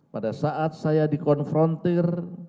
pada saat saya dikonfrontir